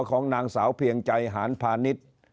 ของนางสาวเพียงใจหานพาณิชย์